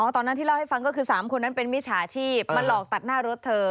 ตอนนั้นที่เล่าให้ฟังก็คือ๓คนนั้นเป็นมิจฉาชีพมาหลอกตัดหน้ารถเธอ